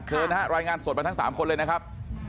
เชิญนะฮะรายงานสดมาทั้ง๓คนเลยนะครับ